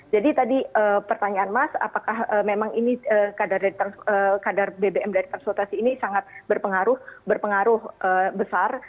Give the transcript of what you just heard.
jadi tadi pertanyaan mas apakah memang ini kadar bbm dari transportasi ini sangat berpengaruh besar